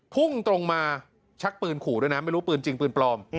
พุ่งตรงมาชักปืนขู่ด้วยนะไม่รู้ปืนจริงปืนปลอม